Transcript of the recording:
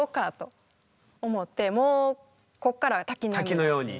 滝のように。